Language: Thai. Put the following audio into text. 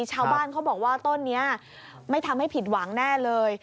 ชาวบ้านเขาบอกว่าต้นนี้ไม่ทำให้ผิดหวังแน่เลย